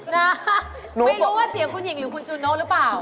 นะไม่รู้ว่าเสียงคุณหญิงหรือคุณจูโน่หรือเปล่า